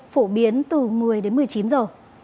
phổ biến từ một mươi đến một mươi chín giờ